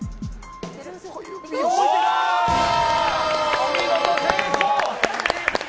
お見事、成功！